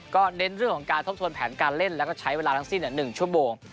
ก็เน้นเรื่องของการทบทวนแผนการเล่นแล้วก็ใช้เวลาทั้งสิ้น๑ชั่วโมง